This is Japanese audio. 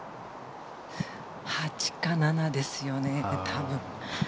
８か７ですよね、多分。